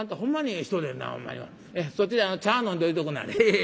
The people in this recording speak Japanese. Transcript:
そっちで茶飲んどいておくんなはれ。